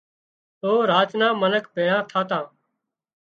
تو راچ نان منک ڀيۯان ٿاتان